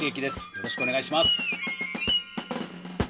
よろしくお願いします。